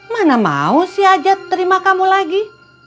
mana mau si ajat terima kamu lagi